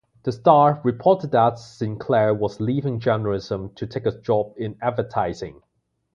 The "Star" reported that Sinclair was leaving journalism to take a job in advertising.